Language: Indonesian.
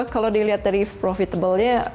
kalau dilihat dari profitable nya